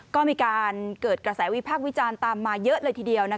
ก็มีการเกิดกระแสวิพากษ์วิจารณ์ตามมาเยอะเลยทีเดียว